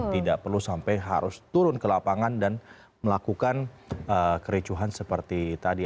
tidak perlu sampai harus turun ke lapangan dan melakukan kericuhan seperti tadi